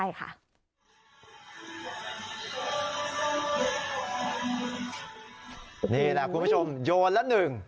นี่แหละคุณผู้ชมโยนละหนึ่ง